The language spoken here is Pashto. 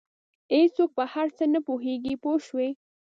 هېڅوک په هر څه نه پوهېږي پوه شوې!.